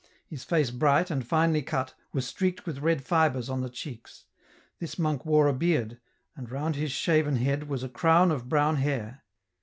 His face bright, and finely cut, was streaked with red fibres on the cheeks ; this monk wore a beard, and round his shaven head was a crown of brown hair.